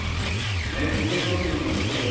ネットショッピングが好きだったんですかね？